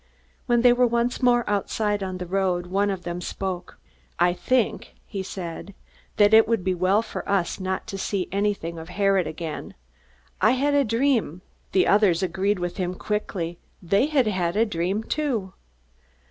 When they were once more outside on the road, one of them spoke: "I think," he said, "that it would be well for us not to see anything of Herod again. I had a dream...." The others agreed with him quickly. They had had a dream too.